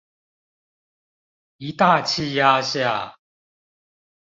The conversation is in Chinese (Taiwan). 一大氣壓下